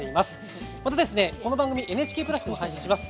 また、この番組ＮＨＫプラスでも配信します。